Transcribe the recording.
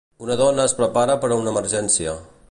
Una dona es prepara per a una emergència.